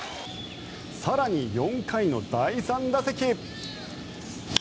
更に４回の第３打席。